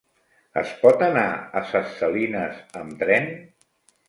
Es pot anar a Ses Salines amb tren?